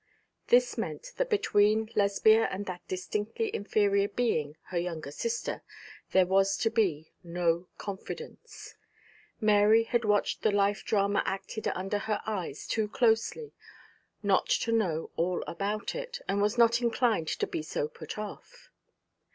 This meant that between Lesbia and that distinctly inferior being, her younger sister, there was to be no confidence. Mary had watched the life drama acted under her eyes too closely not to know all about it, and was not inclined to be so put off.